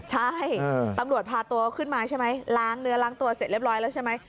ใช่ตำรวจพาตัวขึ้นมาใช่ไหมล้างเนื้อล้างตัวเสร็จเรียบร้อยแล้วใช่ไหม